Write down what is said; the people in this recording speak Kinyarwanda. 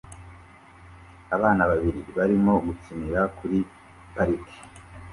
Abana babiri barimo gukinira kuri parike